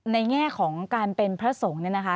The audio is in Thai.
แง่ของการเป็นพระสงฆ์เนี่ยนะคะ